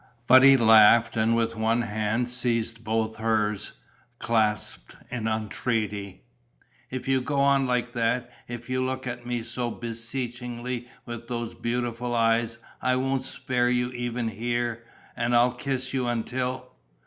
But he laughed and with one hand seized both hers, clasped in entreaty: "If you go on like that, if you look at me so beseechingly with those beautiful eyes, I won't spare you even here and I'll kiss you until